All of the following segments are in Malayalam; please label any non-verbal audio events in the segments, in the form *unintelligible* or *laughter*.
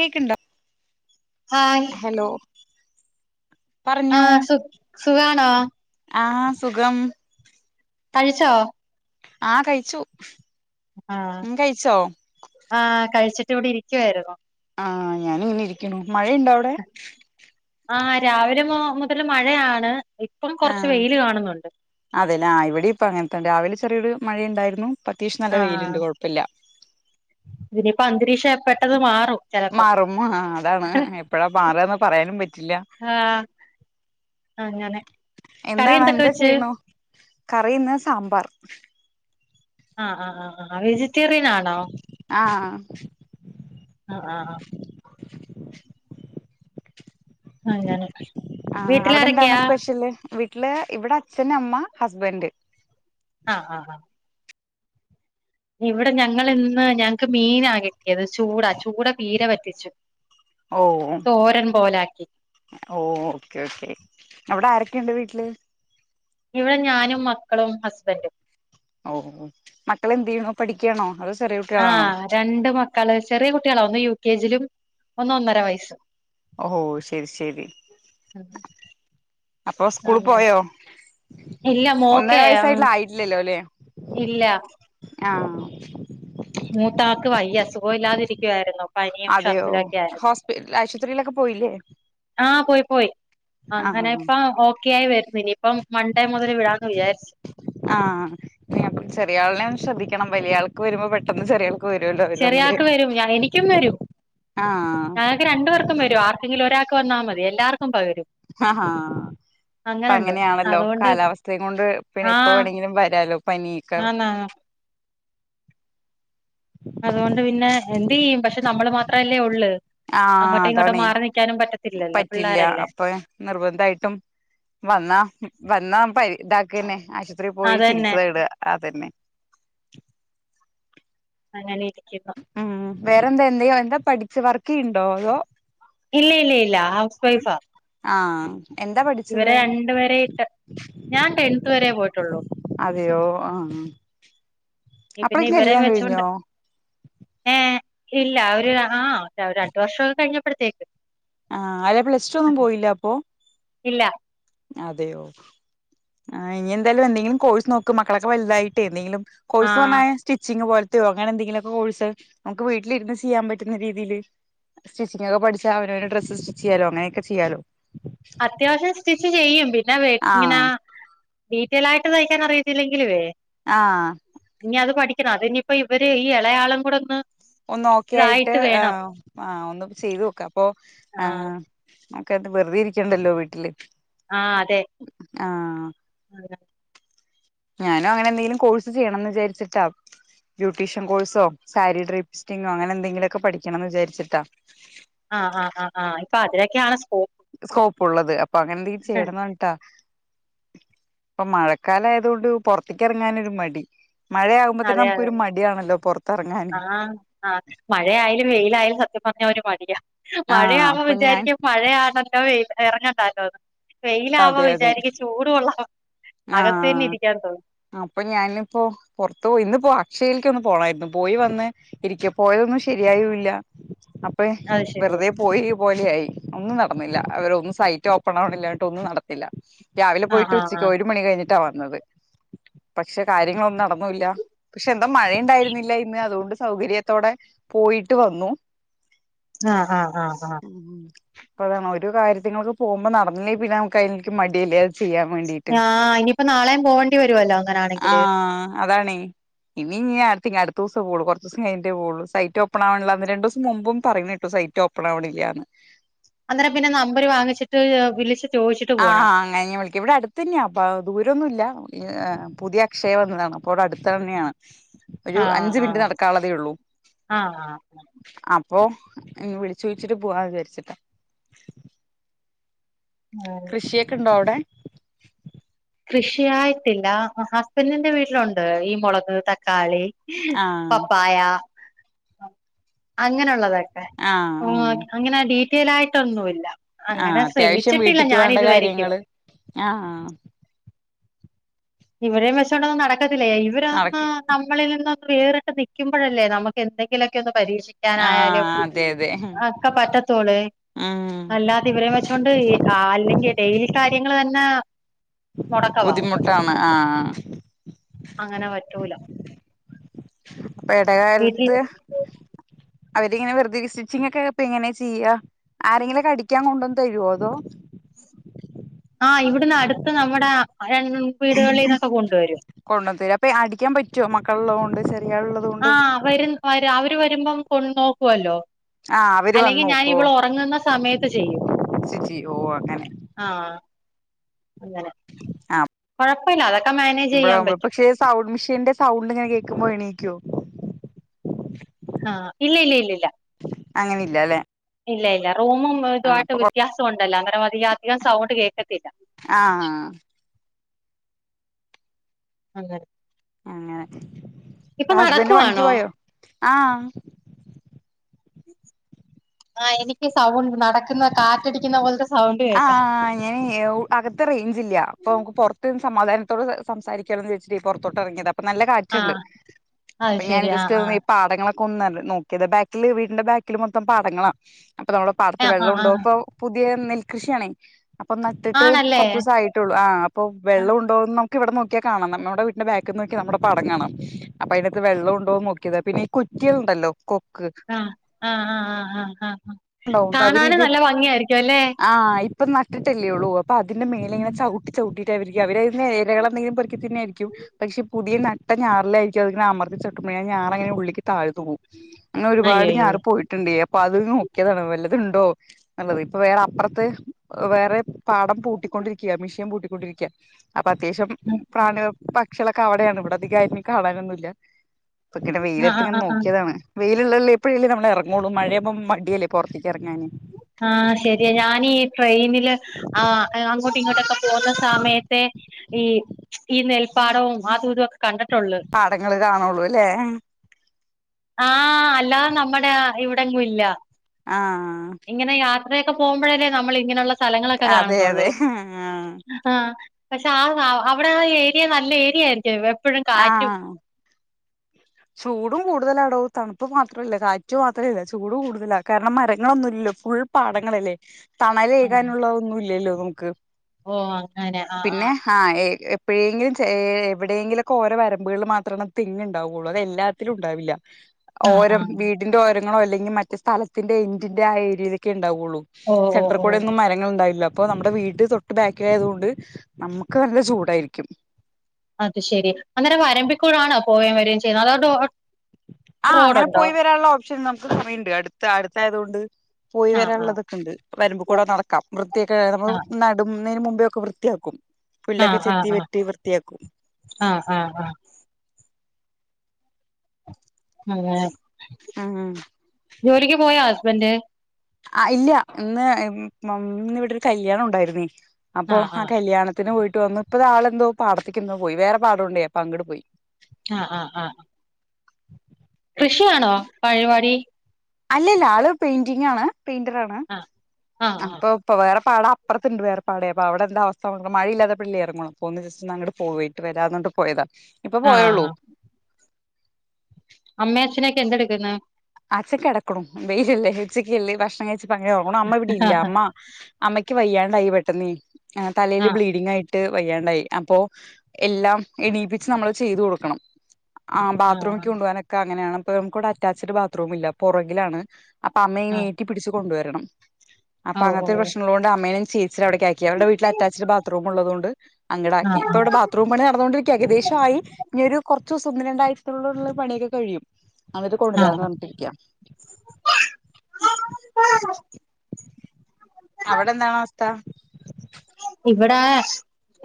കേക്ക്ണ്ടോ *unintelligible* ഹലോ പറഞ്ഞോ ആഹ് സുഖ സുഖാണോ ആഹ് സുഖം കഴിച്ചോ ആഹ് കഴിച്ചു ആഹ് ഉം കഴിച്ചോ ആഹ് കഴിച്ചിട്ട് ഇവിടെ ഇരിക്കുവായിരുന്നു ആഹ് ഞാനിങ്ങനെ ഇരിക്കുണു മഴയുണ്ട അവിടെ ആഹ് രാവിലെ മു മുതൽ മഴയാണ് ഇപ്പം ആ കുറച്ച് വെയിൽ കാണുന്നുണ്ട് അതെല്ലേ ഇവിടെ ഇപ്പൊ അങ്ങനത്തെ രാവിലെ ചെറിയൊരു മഴയുണ്ടായിരുന്നു ഇപ്പോ അത്യാവശ്യം നല്ല വെയിലുണ്ട് കുഴപ്പല്ല ഇതിനിയിപ്പോ അന്തരീക്ഷം പ്പെട്ടന്ന് മാറും ചെലപ്പോ മാറും മ അതാണ് എപ്പഴാ മാറന്ന് പറയാനും പറ്റില്ല ആഹ് അങ്ങനെ കറി എന്തണോ എന്തൊക്കെ എന്താ വെച്ച് ചെയ്യണോ കറീന്ന് സാമ്പാർ ആഹ് ആഹ് ആഹ് ആഹ് വെജിറ്റേറിയൻ ആണോ ആ ആഹ് ആഹ് അങ്ങനെ *unintelligible* ആഹ് അവിടെ എന്താണ് വീട്ടിലാരൊക്കെയാ സ്പെഷ്യല് വീട്ടില് ഇവിടെ അച്ഛനമ്മ ഹസ്ബന്റ് ആഹ് ആഹ് ആഹ് ഇവടെ ഞങ്ങൾ ഇന്ന് ഞങ്ങക്ക് മീനാ കിട്ടിയത് ചൂടാ ചൂടാ പീര പറ്റിച്ചു ഓ ഓ തോരൻ പോലാക്കി ഓ ഓക്കേ ഓക്കേ അവിടെ ആരൊക്കെുണ്ട് വീട്ടില് ഇവിടെ ഞാനും മക്കളും ഹസ്ബൻ്റും ഓ ഓ മക്കള് എന്ത് ചെയുണ് പഠിക്കയാണോ അത ആഹ് രണ്ട് മക്കള് ചെറിയ കുട്ടികളാ ഒന്ന് യു കെ ജിലും ഒന്ന ഒന്നര വയസ്സും ഓ ശരി ശരി ഉം. അപ്പൊ സ്കൂൾ അങ്ങനെ പോയോ ഇല്ല മോക്കേ ഒന്നര ഉം, വയസായിട്ട്ട്ടില്ലോ അല്ലേ ഇല്ല ആഹ് മൂത്താക്ക് വയ്യാ സുഖം ഇല്ലാതിരിക്ക്യാവായിരുന്നു. അതെയോ ഹോസ്പി ആശുപത്രിയിലൊക്കെ പോയി ഇല്ലേ ആഹ് പോയി പോയി അങ്ങനെ ആഹ് ഇപ്പം ഓക്കെ ആയി വെരുന്നു ഇനിയിപ്പം മണ്ടേ മുതല് വിടാന്ന് വിചാരിച്ച് ആഹ് ചെറിയ ആളിനെ ശ്രദ്ധിക്കണം വല്ല്യായ ആൾക്ക് വെരുമ്പോ പെട്ടെന്ന് ചെറിയാ ചെറിയാക്ക വെരും ഞാ എനിക്കും വെരും ആഹ് ആ രണ്ട് പേർക്കും വെരും ആർക്കെങ്കിലും ഒരാക്ക് വന്നാ മതി എല്ലാവർക്കും പകരും ആഹ് ആഹ് അപ്പം അങ്ങനുണ്ട് അങ്ങനെയാണല്ലോ അതുകൊണ്ട് കാലാവസ്ഥയും കൊണ്ട് പിന്നെ എപ്പോ വേണമെങ്കിലും വെരാല്ലോ പനിക്കെ ആഹ് അതുകൊണ്ട് പിന്നെ എന്ത് ചെയ്യും പക്ഷെ നമ്മള് മാത്രല്ലേ ഒള്ള് ആഹ് അങ്ങോട്ടും ഇങ്ങോട്ടും അതാണേ മാറി നിക്കാനും പറ്റത്തില്ലല്ലോ പിള്ളോരാ അല്ലേ നിർബന്ധയായിട്ടും വന്നാ വന്നാ പരി ഇതാക്കന്നെ ആശു ത്രി പോയി ചികിത്സ അതന്നെ തേടുക അത് തന്നെ അങ്ങനെ ഇരിക്കുന്നു ഉം വേറെന്താ എന്തയ്യാ എന്താ പഠിച്ചേ വർക്ക്യയ്യണ്ടോ അതോ ഇല്ല ഇല്ല ഇല്ല ഹൗസ് വൈഫാ ആഹ് എന്താ ഇവരെ പഠിച്ചത് രണ്ട് വേരെ ഇട്ട് ഞാൻ ടെൺത്ത് വെരെ പോയിട്ടോ ഒള്ളൂ അതെയോ ആഹ് പിന്നെ അപ്പളേക്കും ഇവരേയും കല്യാണം വെച്ചോണ്ട് കഴിഞ്ഞോ യെ ഇല്ല ഒര് ആാ ര രണ്ട് വർഷമൊക്കെ കഴിഞ്ഞപ്പോഴത്തേക്ക് ആഹ് അല്ലാ പ്ലസ് ടു ഒന്നും പോയില്ല അപ്പോ ഇല്ല അതെയോ ആഹ് ഇനി എന്തായാലും എന്തെങ്കിലും കോഴ്സ് നോക്ക് മക്കളൊക്കെ വല്ലാതായിട്ടേ എന്തെങ്കിലും ആ കോഴ്സ് പറഞ്ഞാ സ്റ്റിച്ചിങ് പോലത്തെയോ അങ്ങനെ എന്തെങ്കിലുമൊക്ക കോഴ്സ് നമ്മക്ക് വീട്ടിലിരുന്ന് ചെയ്യാൻ പറ്റുന്ന രീതില് സ്റ്റിച്ചിങ്ങ് ഒക്കെ പഠിച്ചാ അവനോൻ്റെ ഡ്രസ്സ് സിറ്റ്ച്ചു ചെയ്യാല്ലോ അങ്ങനെക്കെ ചെയ്യാല്ലോ അത്യാവശ്യം സ്റ്റിച്ച് ചെയ്യും പിന്നെ വെ എങ്ങനാ ആഹ് ഡീറ്റോയിലായിട്ട് തെയ്ക്കാൻ അറിയത്തില്ലെങ്കില്ലുവേ ആഹ് ഇനി അത് പഠിക്കണം അത് ഇനി ഇപ്പോ ഇവര് ഈ എളയാളും കൂടെ ഒന്ന് ഒന്ന് ഓക്കെ ആയിട്ട് ഇതായിട്ട് വേണം ആഹ് ആഹ് ഒന്ന് ചെയ്തു നോക്കം അപ്പൊ ആ ആഹ് നമ്മക്ക് അത് വെറുതെ ഇരിക്കണ്ടാ അല്ലോ വീട്ടില് ആഹ് അതെ ആഹ് *unintelligible* ഞാനും അങ്ങനെ എന്തെലും കോഴ്സ് ചെയ്യണമന്ന് വിചാരിച്ചിട്ടാ ബ്യൂട്ടീഷ്യൻ കോഴ്സോ സാരി ഡ്രീസ്റ്റിങ്ങോ അങ്ങനെ എന്തെങ്കിലുമൊക്കെ പഠിക്കണം എന്ന് വിചാരിച്ചിട്ടാ ആഹ് ആഹ് ആഹ് ആഹ് ഇപ്പം അതിനലൊക്കെയാണ് സ്കോപ്പ് സ്കോപ്പ് ഒള്ളത് അപ്പം അങ്ങനെ എന്തെങ്കിലും ചെയ്യാണാന്നാ ട്ടാ ഇപ്പൊ മഴക്കാലയത് കൊണ്ട് പൊറത്തേക്ക് ഇറങ്ങാനൊരു മടി മഴയാകുമ്പോ തന്നെ അതെ നമുക്ക് അതെ ഒരു മടിയണല്ലോ പുറത്ത് ആഹ് ആഹ് മഴയാലും വെയിലായാലും സത്യം പറഞ്ഞാ ഒര് മടിയാ ആ മഴയാവുമ്പോ അപ്പൊ ഞാൻ വിചാരിക്കും മഴയാണല്ലോ വെ എറങ്ങട്ടല്ലോന്ന് വെയില ആവാമ്പോ അതെ അതെ വിചാരിക്കും ചൂടുകൊള്ളാ ആ അകത്തു തന്നെ ഇരിക്ക്യം തോന്നും അപ്പൊ ഞാനി ഇപ്പോ പൊറത്ത് പോയി ഇന്ന് ഇപ്പോ അക്ഷയിലോക്ക് ഒന്ന് പോണാരുന്നു പോയി വന്ന് ഇരിക്ക പോയതൊന്നും ശരിയായൂല്ലാ അപ്പൊ അത് ശെരിയാ വെറുതെ പോയി പോലെയായി ഒന്നും നടന്നില്ലാ അവരൊന്നും സൈറ്റ് ഓപ്പാണില്ലാഞ്ഞ്ട്ട് ഒന്നും നടന്നില്ലാ രാവിലെ ആഹ് പോയിട്ട് ആഹ് ഉച്ചക്ക് ആഹ് ഒരു മണി കഴിഞ്ഞിട്ടാ വന്നത് പശെ കാര്യങ്ങളൊന്നും നടന്നു ഇല്ലാ പക്ഷെ എന്താ മഴയുണ്ടായിരുന്നില്ല ഇന്ന് അതുകൊണ്ട് സൗകര്യത്തോടെ പോയിട്ട് വന്നു ആഹ് ആഹ് ആഹ് ആഹ് അപ്പൊ അതാണ് ഒരു കാര്യങ്ങളൊക്കെ പോകുമ്പോ നടന്നേ പിന്നെ നമുക്ക് അയ്നിക്ക് മടിയല്ലേ ചെയ്യാൻ വേണ്ടീട്ട് ആ ഇനിയിപ്പോ നാളെയും പോവേണ്ടി വരുല്ലോ അങ്ങനൊണെങ്കില് ആഹ് അതാണേ ഇനി *unintelligible* അടുത്ത ദിവസം പോവൊള്ളു കുറച് ദിവസം കയിഞ്ഞിട്ടേ പോകുള്ളൂ സൈറ്റ് ഓപ്പൺ ആവണില്ലാന്ന് രണ്ട് ദിവസം മുമ്പും പറിണേട്ടു സൈറ്റ് ഓപ്പൺ ണാവിണില്ലാന്ന് അന്നേരം പിന്നെ നമ്പര് വാങ്ങിച്ചിട്ട് വിളിച്ചിട്ട് ആ കഴിഞ്ഞ് വിളിക്ക ഇവിടെ അടുത്ത് തന്നെയാണ് അപ്പോൾ ദൂരൊന്നുല്ല ഇ ഈ പുതിയ അക്ഷയ വന്നതാണ് അപ്പോൾ അവിടെ അടുത്ത് തന്നെയാണ് *inaudible* ഒരു അഞ്ചു മിനിറ്റ് ആഹ് നടക്കുള്ളതേ ഉള്ളൂ ആഹ് ആഹ് അപ്പൊ ഇങ് വിളിച്ചു ചോദിച്ചിട്ട് പോവാ വിചാരിച്ചിട്ട് ആഹ് കൃഷിയൊക്കെ ണ്ടോ അവിടെ കൃഷിയായിട്ടില്ല ഹസ്ബൻഡന്റെ വീട്ടിലുണ്ട് ഈ മുളക് തക്കാളി ആഹ് പപ്പായ അങ്ങനെയുള്ളതൊക്കെ ആഹ് ആഹ് അങ്ങനെ ഡീറ്റെയിലായിട്ടൊന്നുമില്ല ആ അത്യാവശ്യം വീട്ടിക്ക് വേണ്ട കാര്യങ്ങള് ആ ഇവിരേയും വെച്ചോണ്ട് ഒന്നും നടക്കത്തില്ലേ ഇവരന്ന് നടക്ക് നമ്മളിൽ നിന്നൊന്ന് വേറിട്ട് നിക്കുമ്പോഴല്ലേ നമുക്കെന്തെങ്കിലുമൊക്കെ ഒന്ന് പരീക്ഷിക്ക നായാലും ആഹ് അതെ അതെ അക്കെ പറ്റത്തൊളെ ഉം അല്ലാ വിവരം വെച്ചോണ്ട് അല്ലെങ്കിൽ ഡെയിലി കാര്യങ്ങൾ തന്നെ മുടക്കവാ ബുദ്ധിമുട്ടാണ് ആഹ് അങ്ങനെ പറ്റൂല ട കാലത്ത് *inaudible* അവരിങ്ങനെ വെറുതെ സ്റ്റിച്ചിങ്ങ് ക്കെ ഇപ്പ ഇങ്ങനെ ചെയ്യാ ആരെങ്കിലൊക്കെ അടിക്കാ കൊണ്ടുവന്ന് തരുവോ അതോ ആഹ് ഇവിടുന്നടുത്ത് നമ്മടെ വീടുകളീന്നൊക്കെ കൊണ്ടുവരും കൊണ്ടുതരും അപ്പൊയി അടിക്കാൻ പറ്റോ മക്കളുള്ളൊണ്ട് ചെറിയാളുള്ളതു ആഹ് അവര് വര് അവര് വരുമ്പം കൊ നോക്കുവല്ലോ ആ അവര് വന്ന് അല്ലെങ്കി ഞാ നോക്കുവോ ഇവളൊറങ്ങുന്ന സമയത്ത് ചെയ്യും സ്റ്റിച്ച് ചെയ്യുവോ? ഓ അങ്ങനെ ആഹ് അങ്ങനെ ആ കൊഴപ്പല്ല അതൊക്കെ മാനേജെയ്യാൻ മ്പഴാവുമ്പോ പറ്റും പക്ഷെ സൗണ്ട് മെഷീന്റെ സൗണ്ട്ങ്ങനെ കേക്കുമ്പോ എണീക്കോ ആഹ് ഇല്ലില്ലില്ലില്ല അങ്ങനില്ലല്ലെ ഇല്ല ഇല്ല റൂമും ഇതുവായിട്ട് വ്യത്യാസവൊണ്ടല്ലോ അന്നേരം അതി അധികം സൗണ്ട് കേക്കത്തില്ല ആഹ് അങ്ങന അങ്ങനെക്ക ഹസ്ബന്റ് പണിക്ക് നടക്കുവാണോ പോയോ ആഹ് ആ എനിക്ക് സൗണ്ട് നടക്കുന്ന കാറ്റടിക്കുന്ന പോലത്തെ സൗണ്ട് കേൾക്കാം ആആആയ് *unintelligible* അകത്ത് റേഞ്ചില്ല്യ. അപ്പൊ അമുക്ക് പൊറത്ത്ന്ന് സമാധാനത്തോട സംസാരിക്കാല്ലോന്ന്ച്ച്ട്ടെ പൊറത്തോട്ടെറങ്ങിയതാ അപ്പം നല്ല കാറ്റുണ്ട്. ആഹ് അത് ഇപ്പ ഞാൻ ശരി ആഹ് ആഹ് ജസ്റ്റ് പാടങ്ങളൊക്കെ ഒന്നല്ല നോക്കിയത. ബാക്കില് വീടിന്റെ ബാക്കില് മൊത്തം പാടങ്ങളാ അപ്പൊ നമ്മ പാടത്ത് ആഹ് ആഹ് വെള്ളൊണ്ടോ ആഹ് ഇപ്പോ പുതിയ നെൽകൃഷിയാണെ അപ്പൊ നട്ടിട്ട് ആണല്ലേ കൊറച്ച് ദിവസായിട്ട് ട്ടുള്ളു. ആ അപ്പൊ ആഹ് വെള്ളവുണ്ടോന്ന് നംക്ക് ഇവിടെ നോക്കിയാ കാണാം നമ്മടെ വീടിന്റെ ബാക്കിന്ന് നോക്കിയ നമ്മടെ പാടം കാണാം അപ്പൊ അയ്നാത്ത് വെള്ളണ്ടോന്ന് നോക്കിയതാ. പിന്നെ ഈ കൊറ്റിയളുണ്ടല്ലോ കൊക്ക് ആഹ് ആഹ് ആഹ് ആഹ് ആഹ് ആഹ് ആ ഉണ്ടാവും അവര് കാണാനും ഇത് നല്ല ഭംഗിയാരിക്കും അല്ലെ ആഹ് ഇപ്പം നട്ടിട്ടല്ലേ ഉള്ളൂ അപ്പൊ അതിന്റെ മേലെങ്ങനെ ചവിട്ടി ചവിട്ടിട്ടാവരിക്കും അവരെയിന്ന് എലകളെന്തെങ്കിലും പെറുക്കി തിന്നായിരിക്കും പക്ഷെ പുതിയ നട്ട ഞാറിലായിരിക്കും അത്ങ്ങനെ അമർത്തിച്ചട്ടുമ്പഴേ ആ ഞാറങ്ങനെ ഉള്ളിക്ക് താഴ്ന്നു പോവും അങ്ങനൊരുപാട് അയ്യയ്യോ ഞാറ് പോയിട്ടുണ്ടേ അപ്പൊ അത് നോ ക്യതാണ് വല്ലതുണ്ടോ ന്നള്ളത്. ഇപ്പൊ വേറെ അപ്പറത്ത് വേറെ പാടം പൂട്ടിക്കൊണ്ടിരിക്കയ മിഷിയൻ പൂട്ടിക്കൊണ്ടിരിക്കയ അപ്പൊ അത്യാവശ്യം പ്രാണിക പ പക്ഷികളൊക്കെ അവിടെയാണ്. ഇവടധികായുനി കാണാനൊന്നുല്യ. അപ്പൊങ്ങനെ ആഹ് ആഹ് വെയിലത്തിങ്ങനെ ആഹ് ആഹ് നോക്കിയതാണ് വെയിലുള്ളള്ളേപ്പെഴല്ലെ നമ്മളെറങ്ങോള്ളൂ മഴയാമ്പം മടിയല്ലേ പൊറത്തേക്കെറങ്ങാൻ ആഹ് ശരിയ. ഞാനീ ട്രെയിനില് ആ അങ്ങോട്ടിങ്ങോട്ടൊക്കെ പോന്ന സമയത്തെ ഈ ഈ നെൽപ്പാടോം ആതൂതൊക്കെ കണ്ടിട്ടൊള്ളൂ പാടങ്ങള് കാണുള്ളൂല്ലേ ആഹ് അല്ലാതെ നമ്മടെ ഇവിടെങ്ങും ഇല്ല ആഹ് ഇങ്ങനെ യാത്രയൊക്കെ പോമ്പഴല്ലേ നമ്മളിങ്ങനൊള്ള സലങ്ങളൊക്കെ അതെ അതെ കാണുന്നൊള്ളൂ ആഹ് ആഹ് പക്ഷെ ആ അവിടെ ആ ഏരിയ നല്ലേരിയ ആയിരിക്കും എപ്പഴും കാറ്റും ആഹ് ചൂടും കൂടുതലാടോ തണുപ്പ് മാത്രല്ല കാറ്റ് മാത്രല്ല ചൂടു കൂടുതലാ കാരണം മരങ്ങളൊന്നുല്ലല്ലോ ഫുൾ പാടങ്ങളല്ലേ ആഹ് തണലേകാനുള്ളതൊന്നുല്ലല്ലോ നമുക്ക് ഓ അങ്ങനെ ആഹ് പിന്നെ ആഹ് ഹാ എപ്പോഴെങ്കിലും ചേ എവിടെയെങ്കിലൊക്കെ ഓരോ വരമ്പുകള്ല് മാത്രാണ് തെങ്ണ്ട് ണ്ടാവുള്ളൂ അതെല്ലാത്തിലും ഉണ്ടാവില്ല ആഹ് ഓരം ആഹ് വീ ന്റെ ഓരങ്ങളോ അല്ലെങ്കി മറ്റ് സ്ഥലത്തിന്റെ എൻഡിന്റെ ആ ഏരിയെലൊക്കെ ഉണ്ടാവുള്ളൂ ഓ ഓ സെന്റർ ഓ കൂടെ ഒന്നും നുണ്ടായില്ല അപ്പൊ നമ്മുടെ വീട്ട് തൊട്ട് ബാക്കിലായത് കൊണ്ട് നമുക്ക് നല്ല ചൂടായിരിക്കും അത് ശെരി. അന്നേരം വരമ്പിക്കൂടാണോ പോയേം വരേം ചെയ്യുന്നത് അതോ ആഹ് അങ്ങനെ റോഡുണ്ടോ പോയി വരാള്ള ഓപ്ഷൻ നമുക്ക് കൊറേണ്ട് അടുത്ത അടുത്തായതുകൊണ്ട് പോയി ആഹ് ആഹ് വരാനുള്ളതൊക്കെ ഉണ്ട് വരുമ്പ് കൂടെ നടക്കാം വൃത്തിയൊക്കെ ആഹ് നമ്മള് ടുന്നേന് മുമ്പേയൊക്കെ വൃത്തിയാക്കും പുല്ലൊക്കെ ആഹ് ആഹ് ചെത്തി ആഹ് വെട്ടി വൃത്തിയാക്കും ആഹ് ആഹ് ആഹ് ഉം അങ്ങനെ ആഹ് ജോലിക്ക് പോയാ ഹസ്ബന്ഡ് ആ ഇല്ല ഇന്ന് ഇന്ന് ഇവിടെ ഒരു കല്യാണം ഉണ്ടായിരുന്നേ അപ്പോ ആഹ് ആ ആഹ് കല്യാണ ത്തിന് പോയിട്ട് വന്ന് ഇപ്പോ ആളെന്തോ പാടത്തിക്കന്തോ പോയി വേറെ പാടംണ്ടണ്ട് അപ്പൊ അങ്ങട് പോയി അഹ് ആഹ് അഹ് കൃഷിയാണോ പഴിവാടി അല്ലല്ല ആള് പെയിന്റിങ് ആണ് പെയിന്ററാണ് ആഹ് ആഹ് ആഹ് അപ്പൊ ഇപ്പ വേറെ പാട അപ്പർത്ത്ണ്ടയ് വേറെ പാടയ് അപ്പ അവിടെ എന്ത അവസ്ഥ *unintelligible* മഴയില്ലാത്തപ്പ അല്ലെ ഇറങ്ങള്ളൂ അപ്പൊന്ന് ജസ്റ്റ് സ്ന്നങ്ങട് പോയിട്ട് വരാന്നോട്ട് പോയതാ ഇപ്പൊ പോയുള്ളൂ ആഹ് അമ്മേ അച്ഛനൊക്കെ എന്തെടുക്കുന്നെ അച്ചൻ കെടക്കുണു വെയിലല്ലേ ഉച്ചക്ക്ല്ലേ ഭക്ഷണം കഴിച്ച് പ്പങ്ങനെ ഒറങ്ങ്ണു അമ്മ ഇവിടെ ഇല്ല ആഹ് അമ്മ അമ്മയ്ക്ക് വയ്യാണ്ടായി പെട്ടെന്നീ തലേൽ ആഹ് ബ്ലീഡിങ്ങ് ആയി ട്ട് വയ്യാണ്ടായി അപ്പോ എല്ലാം എണീപ്പിച്ച് നമ്മള് ചെയ്ത് കൊടുക്കണം ആഹ് ബാത്റൂമിക്ക് കൊണ്ട് പോകാനക്ക അങ്ങനെയാണ്പ്പൊ നമുക്കിവിടെ അറ്റാച്ചഡ് ബാത്റൂം ഇല്ല പുറകിലാണ് അപ്പൊ അമ്മയെനെ ആഹ് ഏറ്റി പിടിച്ചു കൊണ്ടുവരണം അപ്പൊ ഓഹ് അങ്ങനത്തെ ഒരു ഓഹ് പ്രശ്ന ഉള്ളത് കൊണ്ട് അമ്മേന ചേച്ചിട അവിടേക് ആക്കി ക്കി അവര്ടെ വീട്ട്ല് അറ്റാച്ച്ട് ബാത്റൂം ഉള്ളതോണ്ട് അങ്ടാക്കി ആഹ് ഇപ്പവ്ടെ ബാ ത്യു പണി നടന്നുകണ്ടിരിക്കുകയ ഏകദേശ ആയി ഇനി ഒരു കുറച്ച് ദിവസം ഒന്ന് രണ്ടായിച്ചത്തോളുള്ള പണിയൊക്കെ കഴിയും അവര് കൊണ്ടുവരാന്ന് ആഹ് പറഞ്ഞിട്ടിരിക്ക അവിടെ എന്താണ് അവസ്ഥ ഇവിടെ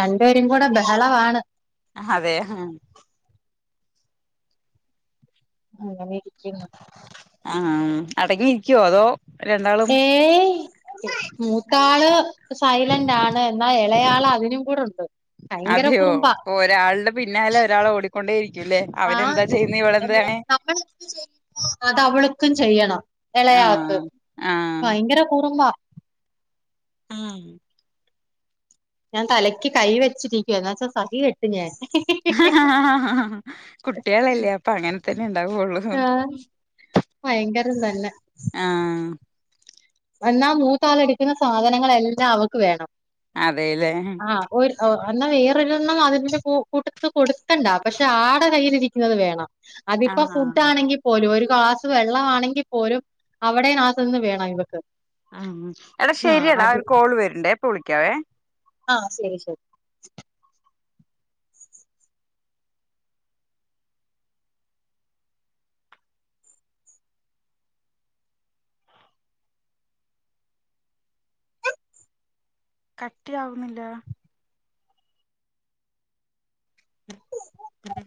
രണ്ടുപേരും കൂടെ ബഹളവാണ് അതെ ഉം അങ്ങനെയിരിക്കുന്നു ആഹ് ഉം അടങി ഇരിക്കൊ അതോ? രണ്ടാളും ഏയ് മൂത്താള് സൈലന്റാണ്. എന്നാ എളയാള് അതിനു കൂടൊണ്ട് ഭയങ്കര കുറുമ്പ ഒരാള്ടെ പിന്നാലെ ഒരാള് ഓടിക്കൊണ്ടെ ഇരിക്കുല്ലെ. അവര് ആഹ് എന്താ ചെയ്യുന്നെ? ഇവളെന്ത. അങനെ നമ്മളെന്ത് അത് അവൾക്കും ചെയ്യണം എളയാൾക്ക് ആഹ് ആഹ് ഭയങ്കര കുറുമ്പ ഉം ഞാൻ തലയ്ക്ക് കൈ വെച്ചിരിക്കുവാ ന്നച്ചാ സഹി കെട്ട് പിന്നെ കുട്ടീളല്ലെ അപ്പൊങ്ങന് തന്നെ ഇണ്ടാവൊള്ളു ആഹ് ഭയങ്കരം തന്നെ ആഹ് എന്നാ മൂത്താളെട്ക്ക്ന്ന സാധനങ്ങളെല്ലാ അവക്ക് വേണം അതേല്ലെ ആഹ് ഒര് എന്നാ വേറൊരണ്ണം അതിന്റെ കൂ കൂട്ടത്തി കൊടുക്കണ്ട പഷെ ആടെ കയ്യിലിരിക്ക്ന്നത് വേണം. അതിപ്പൊ ആഹ് ഫുഡ്ഡാണെങ്കി പോലു ഒര് ഗ്ലാസ്‌ വെള്ളവാണെങ്കി പോലും അവ്ടെ നാസ്സന്നെ‌ വേണം ഇവക്ക് ഉം എട ആ ശരിയട അടി ഒരു കോള് വര്ണ്ടെ ഇപ്പൊ വിളിക്കാവെ ആഹ് ശരി ശരി കട്ടിയാവുന്നില്ലാ ഉം